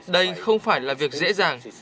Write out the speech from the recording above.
đây không phải là việc dễ dàng